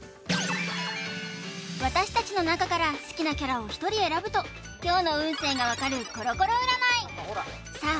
私達の中から好きなキャラを１人選ぶと今日の運勢が分かるコロコロ占いさあ